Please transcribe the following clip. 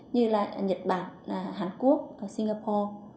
như là nhật bản hàn quốc và singapore